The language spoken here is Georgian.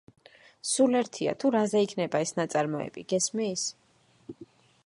სულ ერთია, თუ რაზე იქნება ეს ნაწარმოები, გესმის?